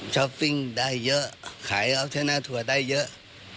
ช้อปปิ้งได้เยอะขายออฟชันเนอร์ทัวร์ได้เยอะ